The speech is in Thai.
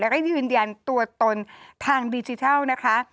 แล้วก็ยืนยันตัวตนทางดิจิทัลนะคะ